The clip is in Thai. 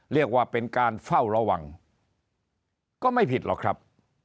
เรียกว่าเป็นการเฝ้าระวังก็ไม่ผิดหรอกครับ